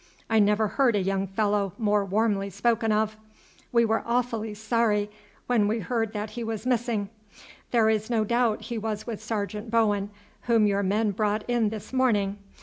I never heard a young fellow more warmly spoken of. We were awfully sorry when we heard that he was missing. There is no doubt he was with Sergeant Bowen whom your men brought in this morning.